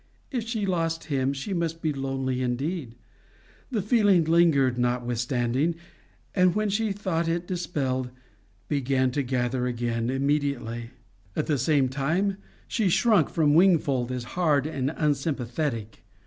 If she lost him she must be lonely indeed! The feeling lingered notwithstanding, and when she thought it dispelled, began to gather again immediately. At the same time she shrunk from Wingfold as hard and unsympathetic.